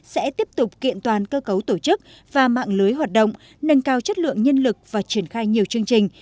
sẽ tiếp tục kiện toàn cơ cấu tổ chức và mạng lưới hoạt động nâng cao chất lượng nhân lực và triển khai nhiều chương trình